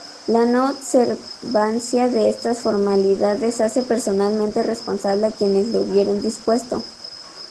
La no observancia de estas formalidades hace personalmente responsable a quienes lo hubieren dispuesto.